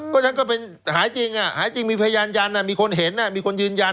ก็ฉันก็เป็นหายจริงหายจริงมีพยานยันมีคนเห็นมีคนยืนยัน